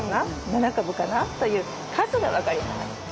７株かな？という数が分かります。